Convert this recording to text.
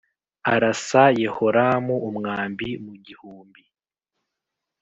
arasa Yehoramu umwambi mu gihumbi